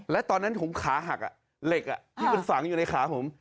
และตอนนั้นผมขาหักเล็กคือสั่งอยู่ในขาผม